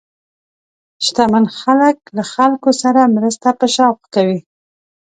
شتمن خلک له خلکو سره مرسته په شوق کوي.